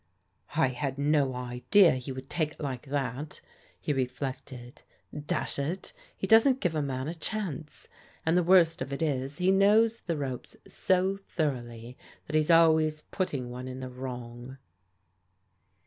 " I had no idea he would take it like that," he reflected. " Dash it, he doesn't give a man a chance. And the worst of it is, he knows the ropes so thoroughly that he's always putting one in the wrong."